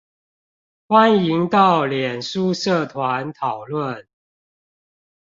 歡迎到臉書社團討論